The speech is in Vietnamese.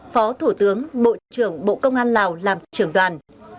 phó thủ tướng bộ trưởng bộ công an lào làm trưởng đoàn